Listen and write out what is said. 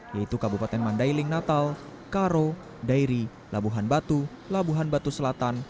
yaitu kabupaten mandailing natal karo dairi labuhan batu labuhan batu selatan